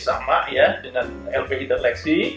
sama ya dengan lpi dan leksi